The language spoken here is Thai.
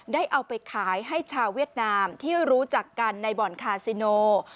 ได้เอาไปขายให้ชาวเวียดนามที่รู้จักกันในบ่อนคาซิโน